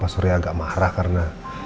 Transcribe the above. surya agak marah karena